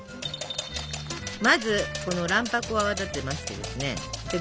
まずこの卵白を泡立てましてですねで